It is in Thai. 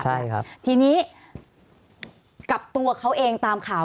เห็นหน้าตลอด